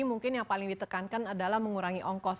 mungkin yang paling ditekankan adalah mengurangi ongkos